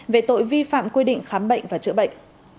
về tội vi phạm quy định khám bệnh và chữa bệnh